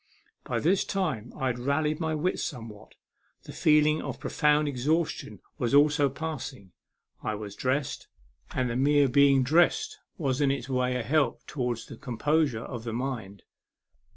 By this time I had rallied my wits somewhat. The feeling of profound exhaustion was also passing. I was dressed, and the mere being 8o A MEMORABLE SWIM. dressed was in its way a help towards the composure of the mind.